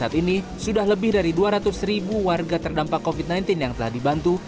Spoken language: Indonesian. saat ini sudah lebih dari dua ratus ribu warga terdampak covid sembilan belas yang telah dibantu